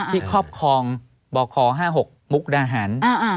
ที่ครอบครองบ่อคอ๕๖มุกระหัน